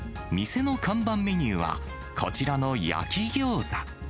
店の看板メニューは、こちらの焼餃子。